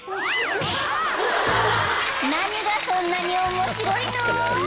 ［何がそんなに面白いの？］